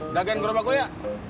udah ganteng berobat gue ya